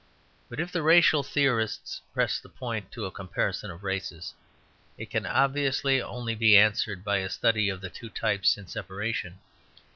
But if the racial theorists press the point to a comparison of races, it can obviously only be answered by a study of the two types in separation.